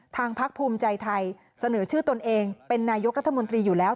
พักภูมิใจไทยเสนอชื่อตนเองเป็นนายกรัฐมนตรีอยู่แล้ว